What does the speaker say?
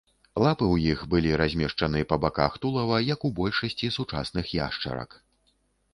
Лапы ў іх былі размешчаны па баках тулава, як у большасці сучасных яшчарак.